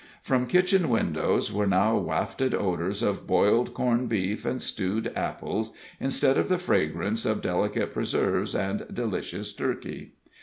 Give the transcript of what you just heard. From kitchen windows were now wafted odors of boiled corned beef and stewed apples, instead of the fragrance of delicate preserves and delicious turkey.